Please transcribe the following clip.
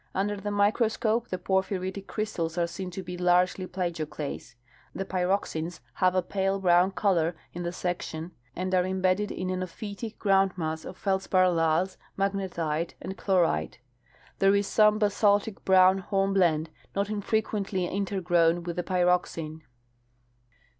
Under the microscope the porphyritic crystals are seen to be largely plagioclase. The pyroxenes have a pale broAvn color in the section and are im bedded in an ophitic groundmass of feldspar laths, magnetite, and chlorite. There is some basaltic brown hornblende not in frequently intergroAvn with the pyroxene.